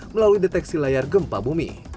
melalui deteksi layar gempa bumi